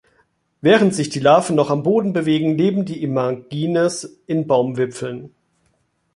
Während sich die Larven noch am Boden bewegen, leben die Imagines in Baumwipfeln.